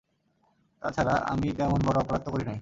তা ছাড়া আমি তেমন বড় অপরাধ তো করি নাই!